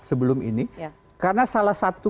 sebelum ini karena salah satu